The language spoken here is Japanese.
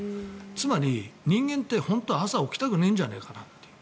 つまり人間って本当は朝、起きたくないんじゃないかなと。